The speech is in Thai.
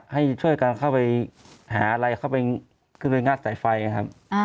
ให้ช่วยกันเข้าไปหาอะไรเข้าไปขึ้นไปงัดสายไฟครับ